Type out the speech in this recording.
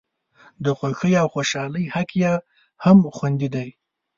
د خوښۍ او خوشالۍ حق یې هم خوندي دی.